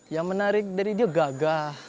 yang menarik dari dia gagah